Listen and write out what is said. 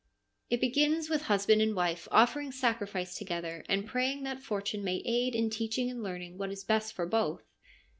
It begins with husband and wife offering sacrifice together and praying that fortune may aid in teaching and learning what is best for both.